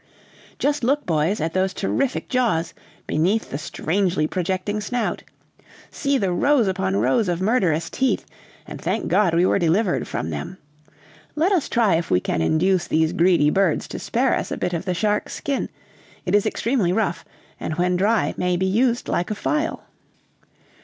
Just look, boys, at those terrific jaws, beneath the strangely projecting snout. See the rows upon rows of murderous teeth, and thank God we were delivered from them! Let us try if we can induce these greedy birds to spare us a bit of the shark's skin; it is extremely rough, and when dry may be used like a file."